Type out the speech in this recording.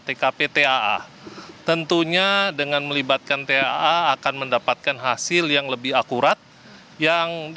tkptaa tentunya dengan melibatkan taa akan mendapatkan hasil yang lebih akurat yang